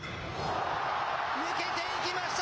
抜けていきました。